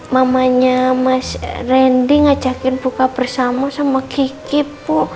mamanya mas randy ngajakin buka bersama sama kiki bu